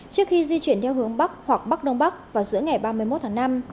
trước khi di chuyển theo hướng bắc hoặc bắc đông bắc vào giữa ngày ba mươi một tháng năm